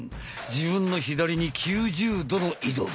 自分の左に９０度の移動だ。